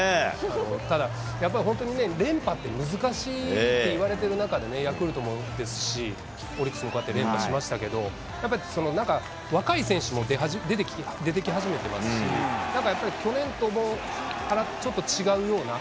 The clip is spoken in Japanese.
ただ、やっぱり本当にね、連覇って難しいって言われてる中でね、ヤクルトもですし、オリックスもこうやって連覇しましたけれども、やっぱ、なんか、若い選手も出てき始めてますし、なんかやっぱり、去年ともちょっと違うような、